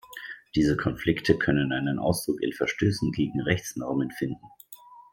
Diese Konflikte können einen Ausdruck in Verstößen gegen Rechtsnormen finden.